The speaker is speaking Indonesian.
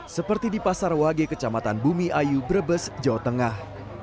seperti di pasar wage kecamatan bumi ayu brebes jawa tengah